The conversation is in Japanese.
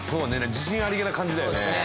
自信ありげな感じだよね